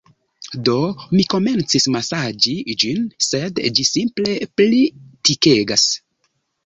Do, mi komencis masaĝi ĝin sed ĝi simple pli tikegas